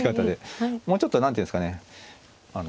もうちょっと何ていうんですかね